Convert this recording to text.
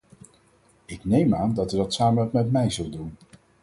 Ik neem aan dat u dat samen met mij zult doen.